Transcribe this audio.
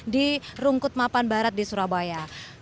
di rungkut mapan barat di surabaya